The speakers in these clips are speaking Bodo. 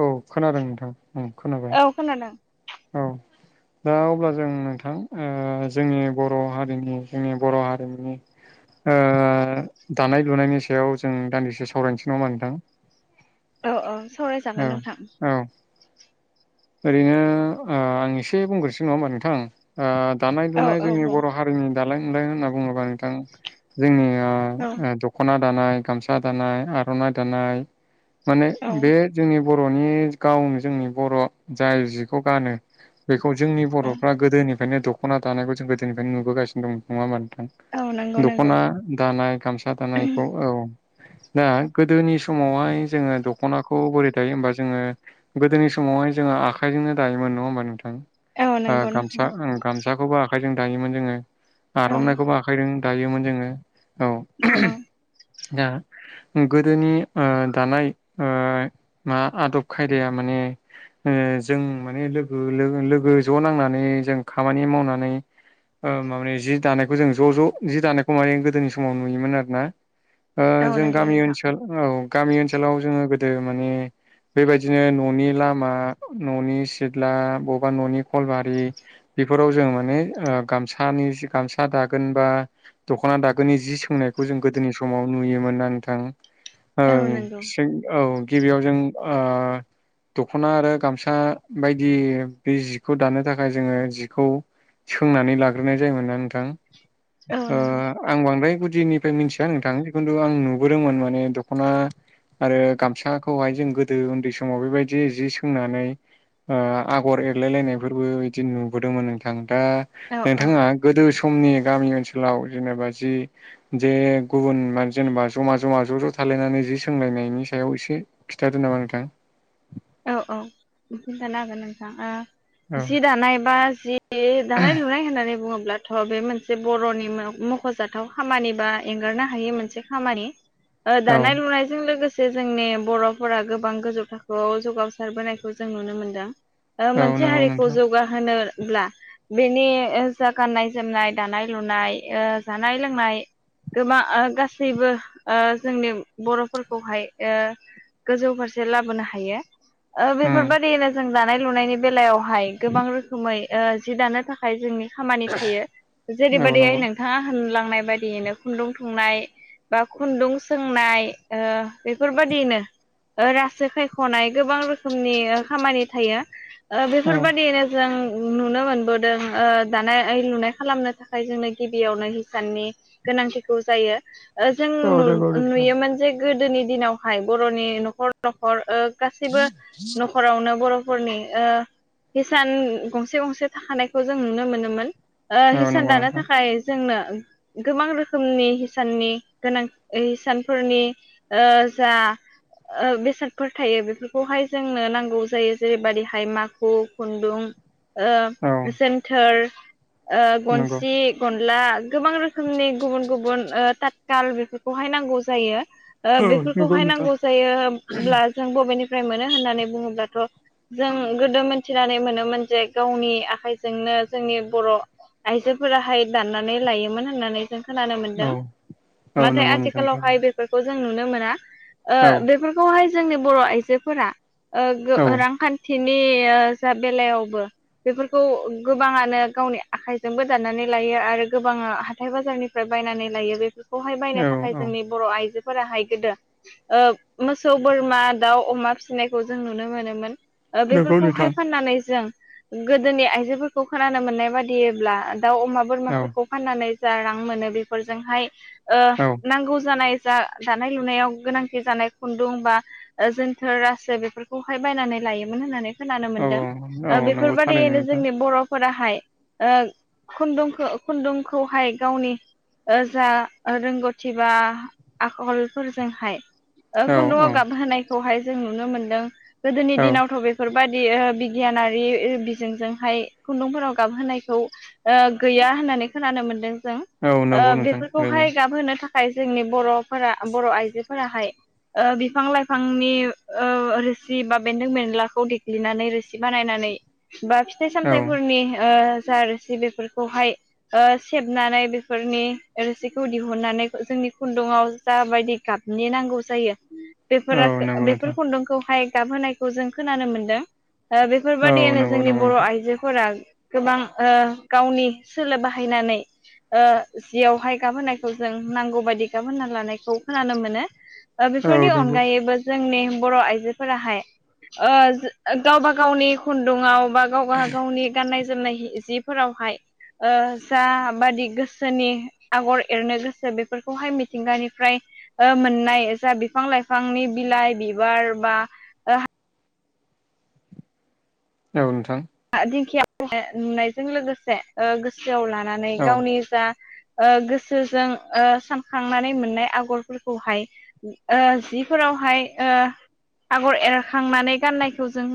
औ खोनादों नोंथां ओम खोनाबाय। औ खोनादों औ। दा अब्ला जों नोंथां ओ जोंनि बर हारिनि जोंनि बर हारिमुनि ओ दानाय लुनायनि सायाव जों दान्दिसे सावरायनोसै नङा होमब्ला नोंथां? औ औ औ सावरायजागोन नोंथां। औ ओरैनो ओ आं एसे बुंग्रोसो नंङा होमबा नोंथां ओ दानाय औ लुनाय औ जोंनि बुं बर' हारिनि दालाय नुलाय होनना बुंङोब्ला नोंथां जोंनि ओ औ ओ दखना दानाय गामसा दानाय आरनाइ दानाय माने औ बे जोंनि बरनि गावनो जोंनि बर जाय जिखौ गानो बेखौ जोंनि औ बरफ्रा गोदोनि फायनो दखना दानायखौ जों गोदनिफ्राय नुबोगासिनो दं नंङा होमबा नों थां‌ औ नंगौ नंगौ दखना दानाय गामसा दानायखौ औ दा गोदोनि समावहाय जोंङो दखनाखौ बोरै दायो हमबा जोङो गोदोनि समावहाय जोंङो आखायजोंनो दायोमोन नंङा हमबा औ नोंथां नंगौ नोंथां गामसा गामसाखौबो आ खाइजों दायोमोन जोंङो औ आरनाइखौबो आखाइजों दायोमोन जोङो। औ औ। दा गोदोनि ओ दानाय ओ मा आदब खायदाया माने [inaudible] जों माने लोगो लोगो ज नांनानै जों खामानि मावनानै ओ माने जि दानायखौ जों ज ज जि दानायखौ माने गोदोनि समाव नुयोमोन आरोना। ओ औ जों नंगौ गामि नोंथां ओनसोल औ गामि ओनसोलाव जोंङो गोदो माने बेबायदिनो ननि लामा ननि सिथ्ला बबेबा ननि कलबारि बेफोराव जों माने गामसानि गामसा दागोन बा दखना दागोननि जि सोंनायखौ जों गोदोनि समाव नुयोमोन ना नोंथां औ नंगौ औ गिबियाव जों ओ दखना आरो गामसा बायदि बे जिखौ दानो थाखाय जोंङो जिखौ सोंनानै लाग्रोनाय जायोमोन नना नोंथां औ नंगौ आं बांद्राय निफ्राय मिथिया नोंथां जि खिन्थु आं नुबोदोंमोन माने दखना आरो गामसाखौहाय जों गोदो उन्दै समाव बेबायदि जि फोंनानै आगर एरलाय लायनायफोरबो बिदि नुबोदोंमोन नोंथां ओ औ नोंथाङा गोदो समनि गामि ओनसोलाव जेनेबा जि जे गुबुन मान जेनेबा ज'मा जमा ज' ज' थालायनानै जि सोंलायनायनि सायाव एसे खिन्थादो नामा नोंथां औ औ खिन्थानो हागोन नोंथां औ जि दानाय बा ए दानाय लुनाय होननानै बुङोब्ला अब्लाथ' बे मोनसे बर'नि मख'जाथाव खामानि बा एंगारनो हायि मोनसे खामानि औ दानाय लुनायजों लोगोसे जोंनि बर'फोरा गोबां गोजौ थाखोआव जौगावसारबोनायखौ जों नुनो मोनदों औ मोनसे नंगौ हारिखौ नोंथां जौगाहोनो ब्ला बेनि जा गाननाय जोमनाय दानाय लुनाय जानाय लोंनाय गोबां ओ गासैबो ओ जोंनि बर'फोरखौहाय ओ गोजौ फारसे लाबोनो हायो ओ उम बेफोरबायदियैनो जों दानाय लुनायनि बेलायावहाय गोबां रोखोमै ओ जि दानो थाखाय जोंनि खामानि थायो औ जेरैबायदिहाय नंगौ नोंथाङा होनलांनाय बायदियैनो खुन्दुं थुंनाय बा खुन्दुं सोंनाय ओ बेफोरबायदिनो रासो खायख'नाय गोबां रोखोमनि खामानि थायो ओ औ बेफोरबायदियैनो जों नुनो मोनबोदों ओ दानाय लुनाय खालामनो थाखाय जोंनो गिबियावनो हिसाननि गोनांथिखौ जायो जों औ नंगौ नोंथां नुयोमोन जे गोदोनि दिनावहाय बर'नि न'खर नखर ओ गासैबो न'खरावनो बर' नि ओ हिसान गंसे गंसे थाखानायखौ जों नुनो मोनोमोन औ हिसान नंगौ दानो नोंथां थाखाय जोंनो गोबां रोखोमनि हिसाननि गोनां हिसानफोरनि ओ जा बेसफोर थायो बेफोरखौहाय जोंनो नांगौ जायो जेरैबाददिहाय माखु खुन्दुं ओ औ जोमथोर ओ नंगौ गनसि गनला गोबां रोखोमनि गुबुन गुबुन ओ थाथखाल बेफोरखौहाय नांगौ जायो ओ औ नंगौ बेफोरखौहाय नोंथां नांगौ जायोब्ला जों बबेनिफ्राय मोनो होननानै बुङोब्लाथ' जों गोदो मिथिनानै मोनोमोन जे गावनि आखाइजोंनो जोंनि बर' आइजोफोराहाय दाननानै लायोमोन होननानै जों खोनानो औ मोनदों औ नाथाय नंगौ नोंथां आथिखालावहाय थारैनो बेफोरखौ जों नुनो मोना ओ औ बेफोरखौहाय जोंनि बर' आइजोफोरा ओ औ रांखान्थि नि ओ जा बेलायावबो बेफोरखौ गोबाङानो गावनि आखाइजोंबो दानानै लायो आरो गोबाङ हाथाय बाजारनिफ्राय बायनानै लायो बे खौहाय बायनो औ थाखाय औ जोंनि बर' आइजोफोराहाय गोदो ओ मोसौ बोरमा दाउ अमा फिसिनायखौ जों नुनो मोनोमोन नंगौ नोंथां बेफोरखौहाय फाननानै जों गोदोनि आइजोफोरखौ खोनानो मोननाय बादिब्ला दाउ अमा औ बोरमाफोरखौ फाननानै जा रां मोनो बेफोरजोंहाय ओ औ नांगौ जानाय जा दानाय लुनायाव गोनांथि जानाय खुन्दुं बा जोनथोर रासो बेफोरखौहाय बायनानै लायोमोन होननानै खोनानो औ मोनदों औ नंगौ थारैनो बेफोरबायाददियैनो नोंथां जोंनि बर'फोराहाय ओ खुन्दुंखौ खुन्दुंखौहाय गावनि जा रोंगौथि बा आखलफोरजोंहाय ओ औ खुन्दुआव औ गाब होनायखौहाय जों नुनो मोनदों गोदोनि औ दिनावथ' बेफोर बादि ओ बिगियानारि बिजोंजोंहाय खुन्दुंफोराव गाबहोनायखौ ओ गैया होननानै खोनानो मोनदों जों औ ओ नंगौ नोंथां ओरैनो बेफोरखौहाय गाबहोनो थाखाय खाय जोंनि बर'फोरा बर' आइजोफोराहाय ओ बि बिफां लाइफांनि ओ रोसि बा बेन्दों बेनलाखौ देग्लिनानै रोसि बानायनानै बा फिथाइ औ सामथायाइफोरनि ओ रोसि बेफोरखौहाय ओ सेबनानै बेफोरनि रोसिखौ दिहुननानै जोंनि खुन्दुआव जाबायदि गाबनि नांगौ जायो बेफोर औ नंगौ बेफोर नोंथां खुन्दुंखौहाय गाबहोनायखौ जों खोनानो मोनदों। ओ औ बेफोरबायदिनो नंगौ जोंनि नंगौ बर' नोंथां आइजोफोरा गोबां ओ गावनि सोलो बाहायनानै ओ जियावहाय गाबहोनायखौ जों नांगौ बायदि गाबहोना लानायखौ खोनानो मोनो। ओ औ बेफोरनि अन नंगौ जोंनि बर' आइजोफोराहाय ओ गावबा गावनि खुन्दुङाव। बा गावब गावनि गाननाय जोमनाय जिफोरावहाय ओ जाबादि गोसोनि आगर एरनो गोसो बेफोरखौहाय मिथिंगानिफ्राय ओ मोननाय जा बिफां लाइफांनि बिलाइ बिबार बा औ नोंथां। आ दिंखियाव नुनायजों लोगोसे ओ गोसोआव लानानै औ गावनि जा ओ गोसोजों ओ सानखांनानै मोननाय आगरफोरखौहाय ओ जिफोराव। आवहाय ओ आगर एरखांनानै गाननायखौ जों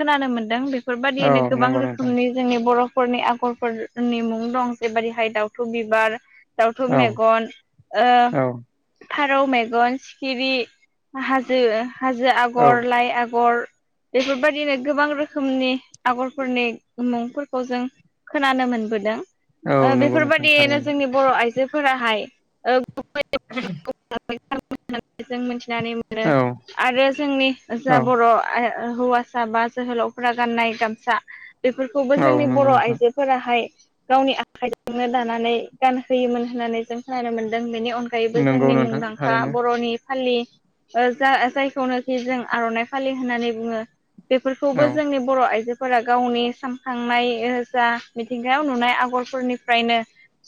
खोनानो मोनदों बेखौ औ बेफोरबादियैनो गोबां नंगौ नोंथां रोखोमनि जोंनि बर'फोरनि आगरफोरनि मुं दं जेबायैहाय दावथु बिबार दउथु औ मेगन ओ औ फारौ मेगन सिखिरि हाजो हाजो औ आगर लाइ आगर। बेफोरबायदिनो गोबां रोखोमनि आगरफोरनि मुंफोरखौ जों खोनानो मोनबोदों। औ ओ नंगौ नोंथां बेफोरबायदियैनो थारैनो जोंनि बर' आइजोफोराहाय ओ [inaudible] साल खुथाजों जों मिथिनानै मोनो औ आरो जोंनि औ जा बर' हौवासा बा जोहोलावफोरा गाननाय गामसा बेफोरखौबो औ जोंनि नंगौ बर' नोंथां आइजोफोराहाय गावनि आखाइजोंनो दानानै गानहोयोमोन होननानै जों खोनानो मोनदों। बेनि अनगायैबो नंगौ जोंनि नोंथां मुंदांखा थारैनो बर'नि फालि ओ जा जायखौनोखि जों आर'नाइ फालि होननानै बुङो। बेफोरखौबो औ जोंनि बर' आइजो फोरा गावनि सानखांनाय जा मिथिंगायाव नुनाय आगरफोरनिफ्रायनो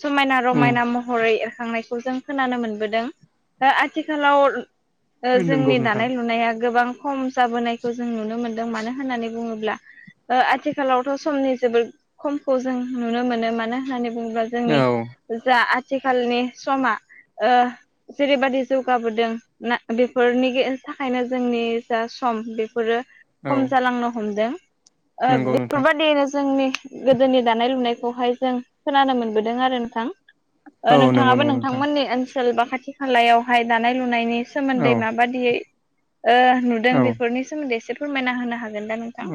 समायना उम रमायना महरै होयो। खांनायखौ जों खोनानो मोनबोदों ओ आथिखालाव ओ नंगौ जोंनि नोंथां दानाय लुनाया गोबां खम जाबोनायखौ जों नुनो मोनदों मानो होननानै बुङोब्ला ओ आथिखालावथ' समनि जोबोद खमखौ जों नुनो मोनो मानो होननानै बुंङोब्ला जोंनि औ जा आथिखालनि समा। ओ जेरैबादि जौगाबोदों ना बेफोरनि थाखायनो जोंनि जा सम बेफोरो औ खम जालांनो हमदों। ओ नंगौ नोंथां बेफोरबायदिनो जोंनि गोदोनि दानाय लुनाय खौहाय जों खोनानो मोनबोदों आरो नोंथां ओ औ नंगौ नोंथाङाबो नंगौ नोंथां नोंथांमोननिओन ओनसोल बा खाथि खालायावहाय दानाय लुनायनि औ सोमोन्दै माबादियै। ओ नुदों औ बेफोरनि सोमोन्दै एसे फोरमायना होनो हागोन दा नोंथां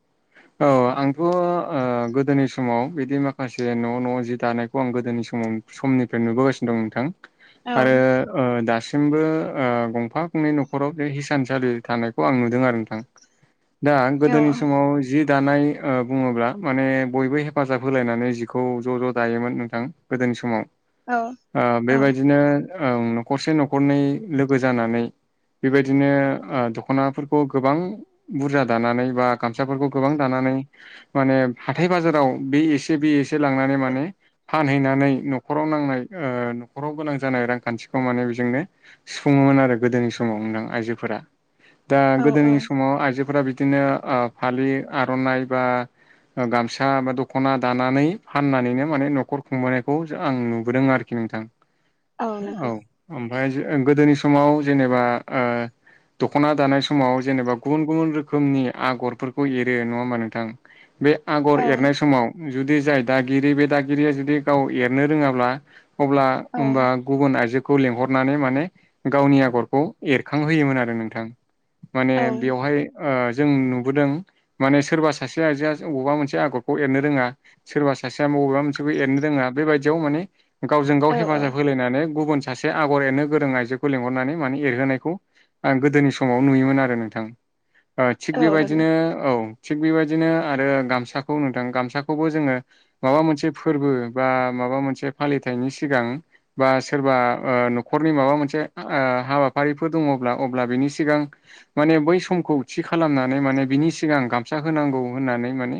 [inaudible] औ आंथ' गोदोनि समाव बिदि माखासे न' न' जि दानायखौ आं गोदोनि समाव समनिफ्राय नुबोगासिनो दं नोंथां औ आरो ओ दासि दासिमबो ओ गंफा गंनै न'खराव बे हिसानसालि थानायखौ आं नुदों आरो नोंथां दा औ गोदोनि समाव जि दानाय ओ बुङोब्ला माने बयबो हेफाजाब होलायनानै जिखौ ज' ज' दायोमोन नोंथां गोदोनि समाव औ ओ औ बेबायदिनो ओ न'खरसे न'खरनै लोगो जानानै बेबायदिनो ओ दख'नाफोरखौ गोबां बुरजा दानानै बा गामसाफोरखौ गोबां दानानै माने हाथाय बाजाराव बे एसे बे एसे लांनानै नानै माने फानहैनानै न'खराव नांनाय ओ न'खराव गोनां जानाय रांखान्थिखौ माने बेजोंनो सुफुं- दंमोन आरो गोदोनि समाव नोथां आयजोफोरा। दा औ औ गोदोनि समाव आइजो आयजोफोरा बिदिनो ओ फालि आर'नाइ बा गामसा बा दख'ना दानानै फाननानैनो माने न'खर खुंबोनायखौ आं नुबोदों आरोखि नोंथां। औ नंगौ। माय गोदोनि समाव जेनेबा ओ दख'ना दानाय समाव जेनेबा गुबुन गुबुन रोखोम- रोखोमनि आगरफोरखौ एरो नङा होमबा नोंथां बे आगर औ एरनाय समाव जुदि जाय दागिरि बे दागिरिया जुदि गाव एरनो रोङाब्ला अब्ला औ होमबा गुबुन आइजो- खौ लिंहरनानै माने गावनि आगरखौ एरखां होयोमोन आरो नोंथां। माने औ बेवहाय ओ जों नुबोदों माने सोरबा सासे आइजोआ अबेवबा मोनसे आगरखौ एरनो रोङा सोरबा सा- सासेया बबेबा मोनसे एरनो रोङा बेबायदियाव माने गावजों-गाव हेफाजाब औ होलायनानै गुबु- न सासे आगर एरनो गोरों आइजोखौ लेंहरनानै माने एरहोनायखौ आं गोदोनि समाव नुयोमोन आरो नोंथां। थिग औ नंगौ बेबायदिनो औ थिग बेबायदिनो आरो गामसाखौ नोंथां गामसाखौबो जोङो माबा मोनसे फोरबो बा माबा मोनसे फालिथायनि सिगां बा सोरबा ओ न'खरनि माबा मोनसे ओ हाबाफारि- बैफोर दङब्ला अब्ला बिनि सिगां माने बै समखौ थि खालामनानै माने बिनि सिगां गामसा होनांगौ होननानै माने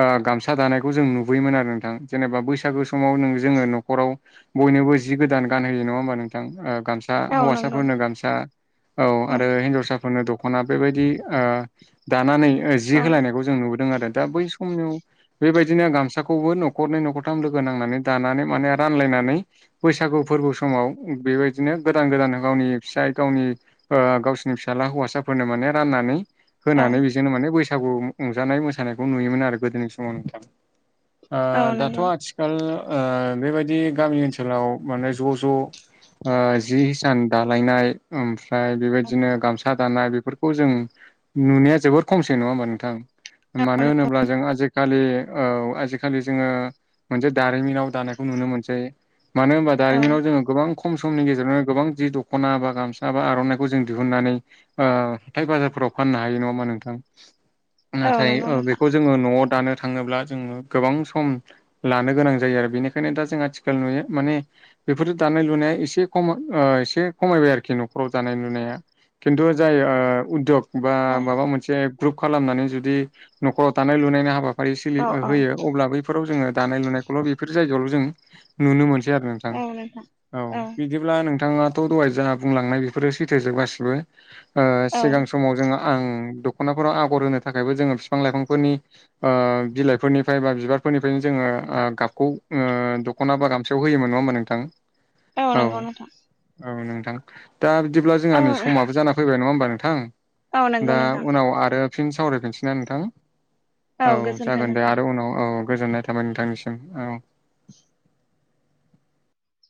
ओ गामसा दानायखौ जों नुबोयो। नुयोमोन आरो नोंथां। जेनेबा बैसागु समाव नों जोङो न'खराव बयनोबो जि गोदान गान होयो नङा हबा नोंथां। ओ गामसा औ नंगौ हौवासाफोरनो गामसा औ आरो हिनजावसाफोरनो दख'ना बेबायदि ओ दानानै जि औ होलायनायखौ जों नुबोदों आरो। दा बै समनियाव बेबायदिनो गामसाखौबो न'खरनै न'खरथाम लोगो नांनानै दानानै माने रानलाय- नानै बैसागु फोरबो समाव बेबायदिनो गोदान गोदान गावनि फिसाय गावनि ओ गावसोरनि फिसाला हौवासाफोरनो माने राननानै औ होनानै बेजोंनो माने बैसागु रंजानाय मोसानायखौ नुयोमोन आरो गोदोनि समाव नोंथां। ओ औ दाथ' नंगौ आथिखाल ओ बेबायदि गामि ओनसोलाव माने ज' ज' ओ जि हिसान दालायनाय ओम- ओमफ्राय बेबायदिनो गामसा दानाय बेफोरखौ जों नुनाया जोबोर खमसै नङा होमबा नोंथां। मानो होनोब्ला जों आजि- खालि औ आजिखालि जोङो मोनसे दारिमिनाव दानायखौ नुनो मोनसै। मानो होनबा औ दारिमिनाव जोङो गोबां ख- खम समनि गेजेरावनो गोबां जि दख'ना बा गामसा बा आर'नाइखौ जों दिहुननानै ओ हाथाय बाजारफोराव- फाननो हायो नङा होनबा नोंथां? औ नाथाय नंगौ ओ नोंथां बेखौ जोङो न'आव दानो- थांङोब्ला जोङो गोबां सम लानो गोनां जायो आरो बेनिखायनो दा जों आथिखाल नुयो माने बेफोरो दानाय लुनाया एसे खम ओ एसे खमायबाय आरोखि न'खराव दानाय लुनाया। खिन्थु जाय ओ उदग बा औ माबा मोनसे ग्रुप खालामनानै जुदि न'खराव दानाय लुनायनि हाबा- रै सोलि औ औ होयो अब्ला बैफोराव जोङो दानाय लुनायखौल' बेफोर जायगायावल' जों नुनो मोनसै। आरो नोंथां औ बिदिब्ला नोंथ- थाङाथ' दहाय जहा बुंलांनाय बेफोरो सैथो जोब गासिबो। ओ औ सिगां जोङो समाव आं दख'ना फोराव आगर होनो थाखायबो जोङो बिफां लाइफांफोरनि ओ बिलाइ फोरनिफ्राय बा बिबारफोरनिफ्रायनो जोङो ओ गाबखौ ओ दख'ना बा गामसायाव होयोमोन नङा होमबा नोंथां? औ नंगौ नोंथां औ नोंथां दा बिदिब्ला जोंहा औ नै समाबो जाना फैबाय नङा होमबा नों थां औ दा नंगौ नोंथां उनाव आरो फिन सावरायफिनसै ना नोंथां? औ गोजोन्थों जागोन दे नोंथां आरो उनाव औ गोजोननाय थाबाय नोंथांनिसिम औ।